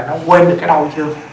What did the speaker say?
nó quên được cái đau chưa